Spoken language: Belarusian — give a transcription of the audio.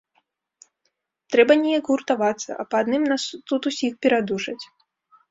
Трэба неяк гуртавацца, а па адным нас тут усіх перадушаць.